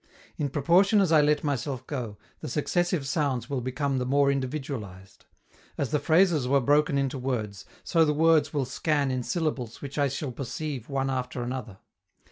In proportion as I let myself go, the successive sounds will become the more individualized; as the phrases were broken into words, so the words will scan in syllables which I shall perceive one after another.